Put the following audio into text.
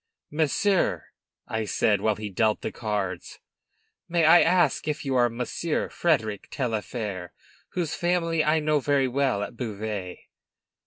"Monsieur," I said, while he dealt the cards, "may I ask if you are Monsieur Frederic Taillefer, whose family I know very well at Beauvais?"